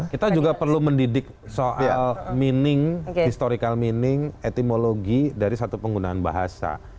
kita juga perlu mendidik soal meaning historical meaning etimologi dari satu penggunaan bahasa